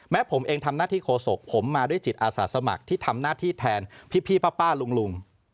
ผมเองทำหน้าที่โคศกผมมาด้วยจิตอาสาสมัครที่ทำหน้าที่แทนพี่ป้าลุง